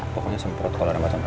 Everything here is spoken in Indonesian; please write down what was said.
pokoknya semprot kalau ada masalah